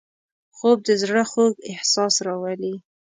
خوب د زړه خوږ احساس راولي